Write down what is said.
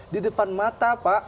di depan mata pak